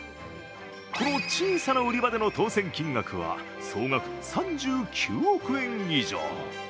この小さな売り場での当せん金額は、総額３９億円以上。